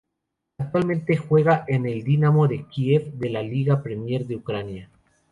Actualmente juega en el Dinamo de Kiev de la Liga Premier de Ucrania.